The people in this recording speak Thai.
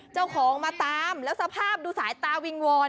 เจ้าของมาตามแล้วสภาพดูสายตาวิงวอน